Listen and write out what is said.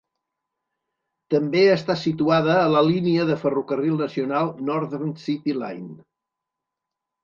També està situada a la línia de ferrocarril nacional Northern City Line.